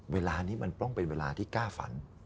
เวลานี้มันต้องเป็นเวลาที่กล้าฝัน